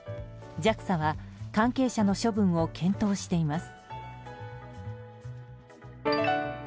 ＪＡＸＡは関係者の処分を検討しています。